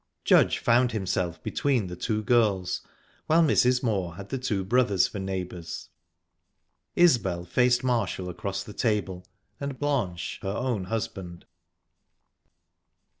Judge found himself between the two girls, while Mrs. Moor had the two brothers for neighbors; Isbel faced Marshall across the table, and Blanche her own husband.